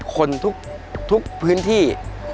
คนทุกพื้นที่